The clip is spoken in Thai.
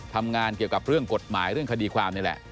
ทำงานเกี่ยวกับเรื่องกฎหมายเรื่องคดีความนี่แหละ